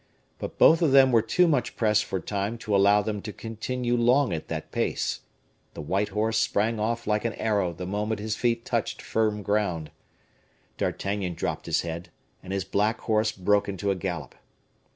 But both of them were too much pressed for time to allow them to continue long at that pace. The white horse sprang off like an arrow the moment his feet touched firm ground. D'Artagnan dropped his head, and his black horse broke into a gallop.